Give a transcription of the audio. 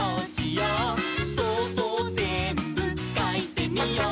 「そうそうぜんぶかいてみよう」